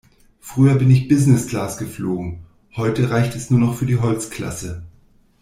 Früher bin ich Business-Class geflogen, heute reicht es nur noch für die Holzklasse.